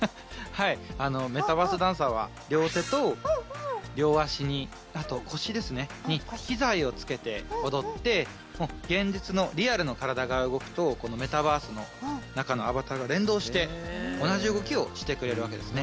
はいメタバースダンサーは両手と両足にあと腰ですねに機材をつけて踊って現実のリアルの体が動くとメタバースの中のアバターが連動して同じ動きをしてくれるわけですね。